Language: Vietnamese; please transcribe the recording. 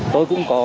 tôi cũng có